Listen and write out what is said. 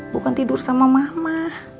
bukan tidur sama mama